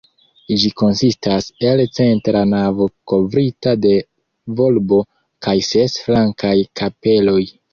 Ĝi konsistas el centra navo kovrita de volbo kaj ses flankaj kapeloj.